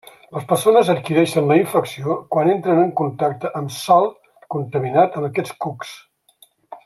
Les persones adquireixen la infecció quan entren en contacte amb sòl contaminat amb aquests cucs.